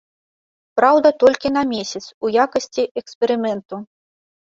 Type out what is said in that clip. Праўда, толькі на месяц, у якасці эксперыменту.